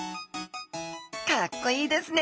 かっこいいですね